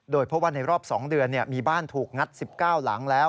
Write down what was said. เพราะว่าในรอบ๒เดือนมีบ้านถูกงัด๑๙หลังแล้ว